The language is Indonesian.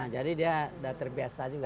nah jadi dia sudah terbiasa juga